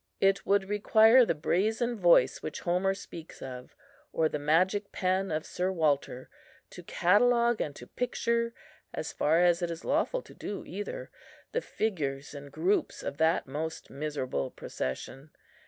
It would require the brazen voice which Homer speaks of, or the magic pen of Sir Walter, to catalogue and to picture, as far as it is lawful to do either, the figures and groups of that most miserable procession.